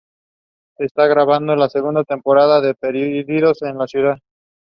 Se está grabando la segunda temporada de "Perdidos en la ciudad".